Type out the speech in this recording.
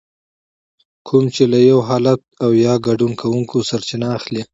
کوم چې له يو حالت او يا ګډون کوونکي سرچينه اخلي.